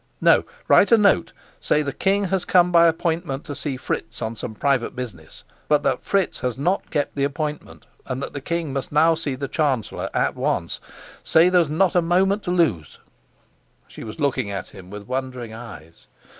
No, write a note. Say the king has come by appointment to see Fritz on some private business, but that Fritz has not kept the appointment, and that the king must now see the chancellor at once. Say there's not a moment to lose." She was looking at him with wondering eyes.